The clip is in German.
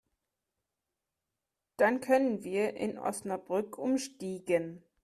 Dann können wir in Osnabrück umstiegen